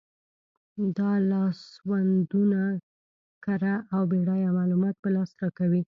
دا لاسوندونه کره او بډایه معلومات په لاس راکوي.